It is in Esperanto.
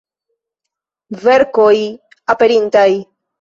Verkoj aperintaj.